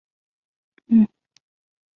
黄花蔺为花蔺科黄花蔺属下的一个种。